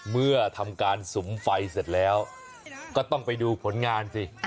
เมื่อทำการสุมไฟเสร็จแล้วก็ต้องไปดูผลงานสิ